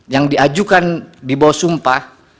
yang diajukan di bawah sumpah